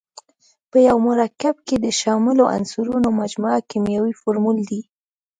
په یو مرکب کې د شاملو عنصرونو مجموعه کیمیاوي فورمول دی.